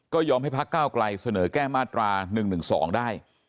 ก็ยอมให้พักก้าวไกลเสนอแก้มาตรา๑๑๒ได้